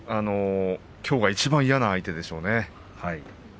きょうがいちばん嫌な相手でしょうね。